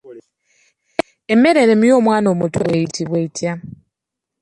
Emmere eremye omwana omuto eyitibwa etya?